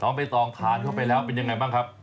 ใบตองทานเข้าไปแล้วเป็นยังไงบ้างครับ